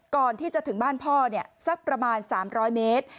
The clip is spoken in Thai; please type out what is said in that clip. ก่อนที่จะถึงบ้านพ่อสักประมาณ๓๐๐เมตร